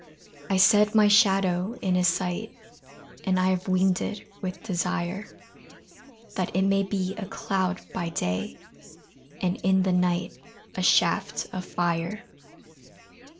I set my shadow in his sight And I have winged it with desire, That it may be a cloud by day And in the night a shaft of fire.